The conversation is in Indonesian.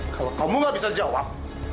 kalau kamu gak bisa jawab